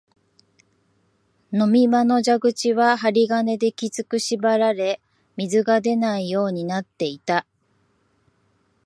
水飲み場の蛇口は針金できつく縛られ、水が出ないようになっていた